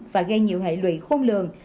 và gây nhiều hệ lụy khôn lường